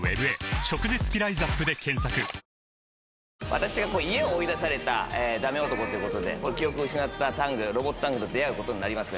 私が家を追い出された駄目男ということで記憶を失ったロボットタングと出会うことになります。